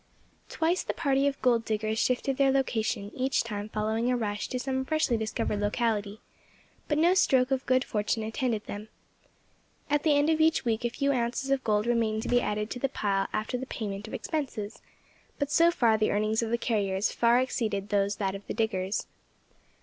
TWICE the party of gold diggers shifted their location, each time following a rush to some freshly discovered locality; but no stroke of good fortune attended them. At the end of each week a few ounces of gold remained to be added to the pile after the payment of expenses, but so far the earnings of the carriers far exceeded those of the diggers.